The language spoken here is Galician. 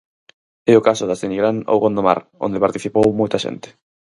É o caso das de Nigrán ou Gondomar, onde participou moita xente.